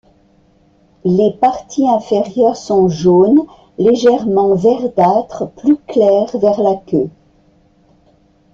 Les parties inférieures sont jaunes légèrement verdâtres, plus claires vers la queue.